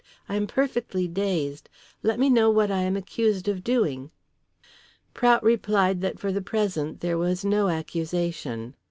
"I am perfectly dazed. Let me know what I am accused of doing." Prout replied that for the present there was no accusation.